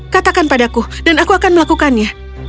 katakan padaku dan aku akan melakukannya